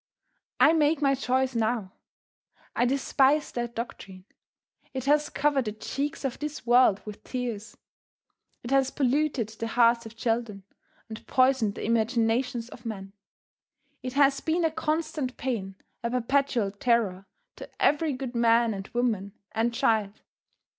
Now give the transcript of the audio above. I make my choice now. I despise that doctrine. It has covered the cheeks of this world with tears. It has polluted the hearts of children, and poisoned the imaginations of men. It has been a constant pain, a perpetual terror to every good man and woman and child.